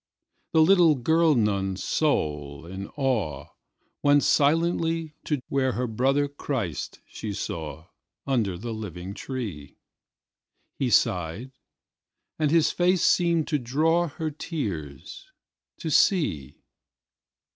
The little girl nun's soul, in awe, Went silentlyTo where her brother Christ she saw, Under the Living Tree; He sighed, and his face seemed to drawHer tears, to see.